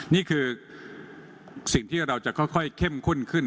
นี่คือสิ่งที่เราจะค่อยเข้มข้นขึ้น